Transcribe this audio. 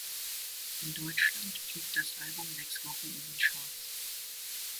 In Deutschland blieb das Album sechs Wochen in den Charts.